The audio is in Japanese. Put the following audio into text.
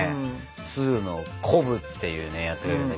２のコブっていうやつがいるんだけどね